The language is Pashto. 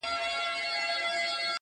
د ډېري لرگى، د يوه انډى.